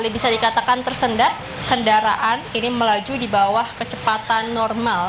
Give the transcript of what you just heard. bisa dikatakan tersendat kendaraan ini melaju di bawah kecepatan normal